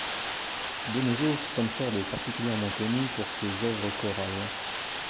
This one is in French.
De nos jours, Stanford est particulièrement connu pour ses œuvres chorales.